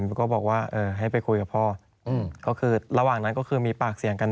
แล้วก็บอกว่าให้ไปคุยกับพ่อก็คือระหว่างนั้นก็คือมีปากเสียงกัน